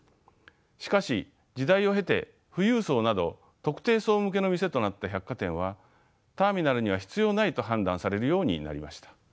しかし時代を経て富裕層など特定層向けの店となった百貨店はターミナルには必要ないと判断されるようになりました。